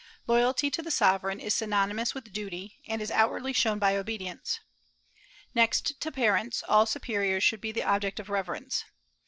Loyalty to the sovereign is synonymous with duty, and is outwardly shown by obedience. Next to parents, all superiors should be the object of reverence.